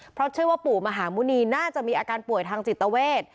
เพราะเชื่อว่าปู่มหาหมุณีน่าจะมีอาการป่วยทางจิตเวท